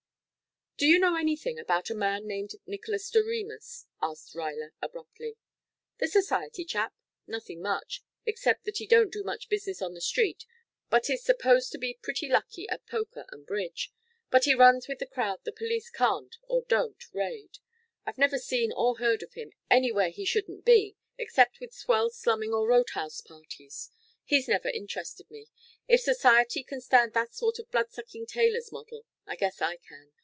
"Do you know anything about a man named Nicolas Doremus?" asked Ruyler abruptly. "The society chap? Nothing much except that he don't do much business on the street but is supposed to be pretty lucky at poker and bridge. But he runs with the crowd the police can't or don't raid. I've never seen or heard of him anywhere he shouldn't be except with swell slumming or roadhouse parties. He's never interested me. If Society can stand that sort of bloodsucking tailor's model, I guess I can.